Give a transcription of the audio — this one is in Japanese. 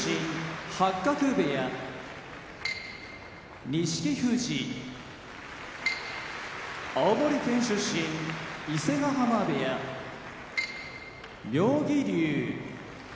八角部屋錦富士青森県出身伊勢ヶ濱部屋妙義龍